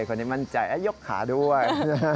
คนนี้มั่นใจยกขาด้วย